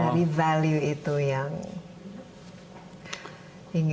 dari value itu yang